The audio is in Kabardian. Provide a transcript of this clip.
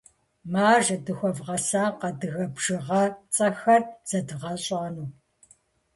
Маржэ, дыхуэвгъэсакъ адыгэ бжыгъэцӏэхэр зэдгъэщӏэным.